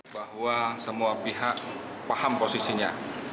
bahwa semua pihak paham posisinya